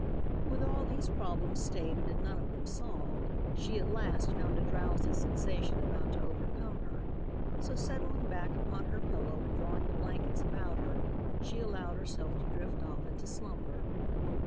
With all these problems stated and none of them solved, she at last found a drowsy sensation about to overcome her, so settling back upon her pillow and drawing the blankets about her, she allowed herself to drift off into slumber.